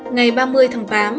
ngày ba mươi tháng tám